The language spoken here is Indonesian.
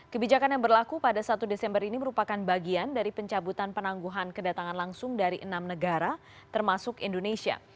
kebijakan yang berlaku pada satu desember ini merupakan bagian dari pencabutan penangguhan kedatangan langsung dari enam negara termasuk indonesia